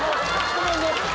ごめんね。